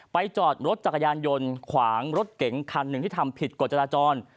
จอดรถจักรยานยนต์ขวางรถเก๋งคันหนึ่งที่ทำผิดกฎจราจร